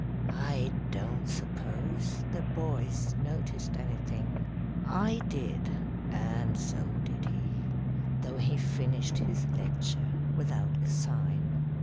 I don't suppose the boys noticed anything. I did, and so did he, though he finished his lecture without a sign.